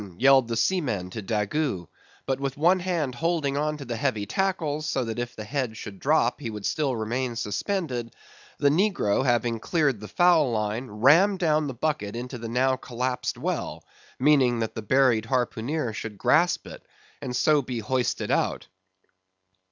yelled the seamen to Daggoo, but with one hand holding on to the heavy tackles, so that if the head should drop, he would still remain suspended; the negro having cleared the foul line, rammed down the bucket into the now collapsed well, meaning that the buried harpooneer should grasp it, and so be hoisted out.